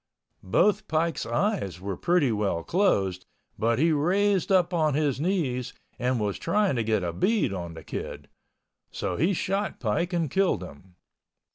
Both Pike's eyes were pretty well closed, but he raised up on his knees and was trying to get a bead on the Kid—so he shot Pike and killed him.